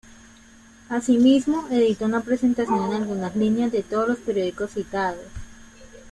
Asimismo, edita una presentación en algunas líneas de todos los periódicos citados.